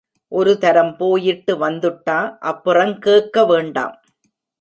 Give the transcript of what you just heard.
ஒரு தரம் போயிட்டு வந்துட்டா, அப்புறங் கேக்க வேண்டாம்.